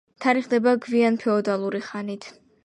თარიღდება გვიანფეოდალური ხანით.